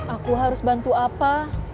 aku harus bantu apa